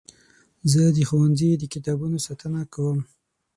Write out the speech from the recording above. زه د ښوونځي د کتابونو ساتنه کوم.